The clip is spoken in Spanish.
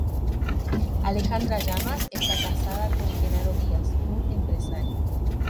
Alejandra Llamas está casada con Genaro Díaz, un empresario.